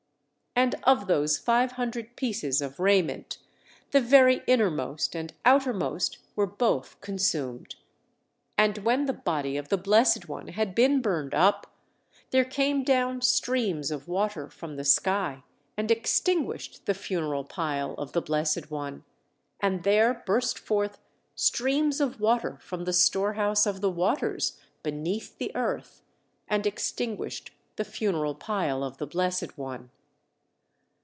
And of those five hundred pieces of raiment the very innermost and outermost were both consumed. And when the body of the Blessed One had been burned up, there came down streams of water from the sky and extinguished the funeral pile of the Blessed One; and there burst forth streams of water from the storehouse of the waters (beneath the earth), and extinguished the funeral pile of the Blessed One.